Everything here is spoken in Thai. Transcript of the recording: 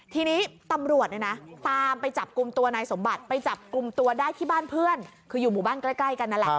ทีนี้ตำรวจเนี่ยนะตามไปจับกลุ่มตัวนายสมบัติไปจับกลุ่มตัวได้ที่บ้านเพื่อนคืออยู่หมู่บ้านใกล้กันนั่นแหละ